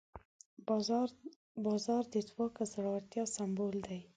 باز د ځواک او زړورتیا سمبول دی